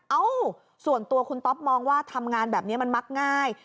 เอ้าส่วนตัวคุณต๊อปมองว่าทำงานแบบนี้มันมักง่าย